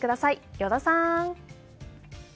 依田さん